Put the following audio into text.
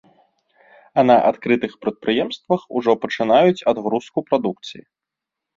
А на адкрытых прадпрыемствах ужо пачынаюць адгрузку прадукцыі.